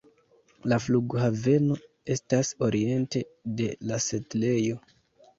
La flughaveno estas oriente de la setlejo.